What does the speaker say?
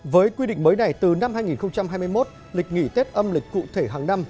với quy định mới này từ năm hai nghìn hai mươi một lịch nghỉ tết âm lịch cụ thể hàng năm